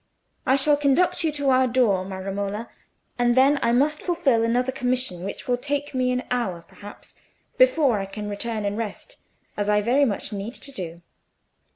I shall conduct you to our door, my Romola, and then I must fulfil another commission, which will take me an hour, perhaps, before I can return and rest, as I very much need to do."